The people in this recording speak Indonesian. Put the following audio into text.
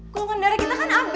golongan darah kita kan susah